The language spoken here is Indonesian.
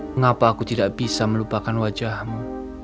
mengapa aku tidak bisa melupakan wajahmu